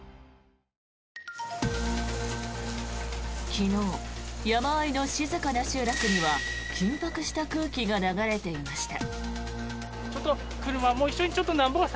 昨日、山あいの静かな集落には緊迫した空気が流れていました。